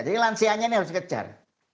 jadi lansianya ini harus dikejar